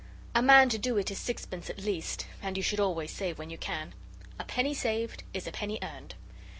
A man to do it is sixpence at least, and you should always save when you can. A penny saved is a penny earned.